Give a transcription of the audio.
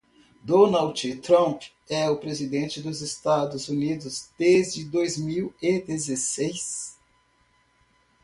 Donald Trump é o presidente dos Estados Unidos desde dois mil e dezesseis.